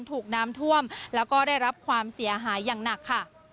ถูกน้ำท่วมแล้วก็ได้รับความเสียหายอย่างหนักค่ะ